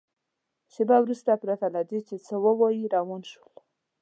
شېبه وروسته پرته له دې چې څه ووایي روان شول.